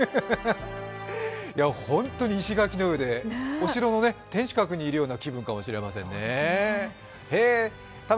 石垣の上で、お城の天守閣にいるような気分かもしれませんね。